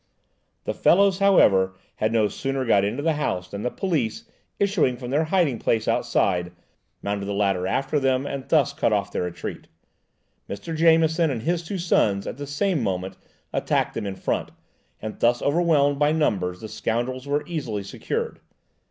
The fellows, however, had no sooner got into the house than the police issuing from their hiding place outside, mounted the ladder after them and thus cut off their retreat. Mr. Jameson and his two sons, at the same moment, attacked them in front, and thus overwhelmed by numbers, the scoundrels were easily secured.